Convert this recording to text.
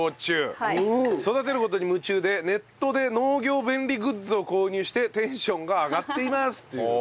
育てる事に夢中でネットで農業便利グッズを購入してテンションが上がっています！という。